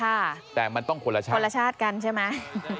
ค่ะแต่มันต้องคนละชาติคนละชาติกันใช่ไหม